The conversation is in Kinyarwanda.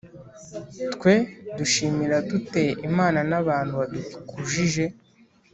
twe dushimira dute imana n’abantu badukujije